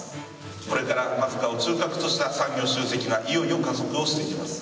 これからマスカーを中核とした産業集積がいよいよ加速をしていきます。